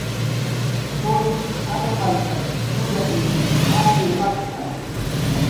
"Qullq armantach turas apir makt""a "